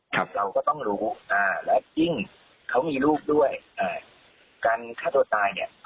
เราก็ต้องรู้อ่าและยิ่งเขามีลูกด้วยอ่าการฆ่าตัวตายเนี่ย